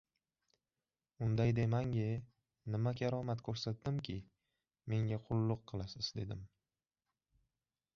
— Unday demang-ye, nima karomat ko‘rsatdimkin, menga qulluq qilasiz, — dedim.